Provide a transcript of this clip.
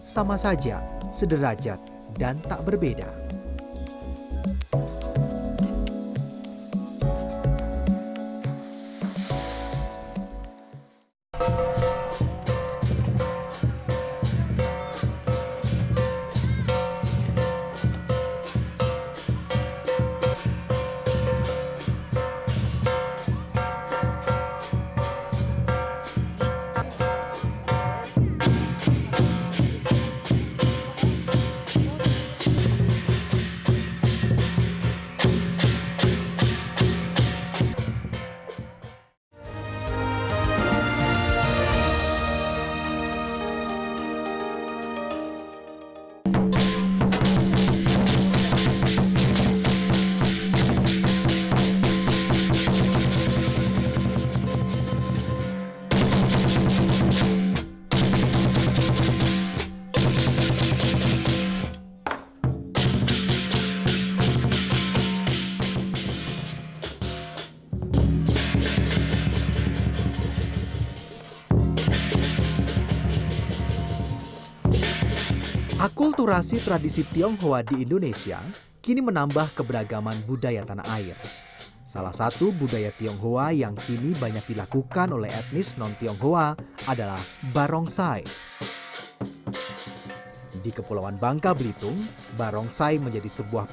sama saja sederajat dan tak berbeda